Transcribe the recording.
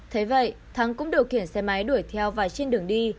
thế vậy thắng cũng điều khiển xe máy đuổi theo và trên đường đi